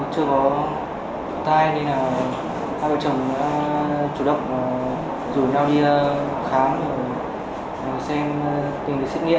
chưa có thai nên là hai vợ chồng đã chủ động rủ anh ra đi khám xem tình trạng xét nghiệm